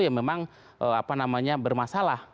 yang memang apa namanya bermasalah